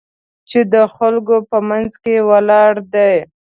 چې د خلکو په منځ کې ولاړ دی.